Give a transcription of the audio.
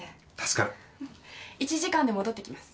１時間で戻って来ます。